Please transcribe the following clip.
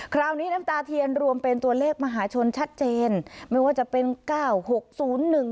น้ำตาเทียนรวมเป็นตัวเลขมหาชนชัดเจนไม่ว่าจะเป็นเก้าหกศูนย์หนึ่ง